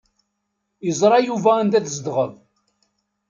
Iẓra Yuba anda tzedɣeḍ.